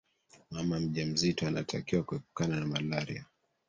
mama mjamzito anatakiwa kuepukana na malaria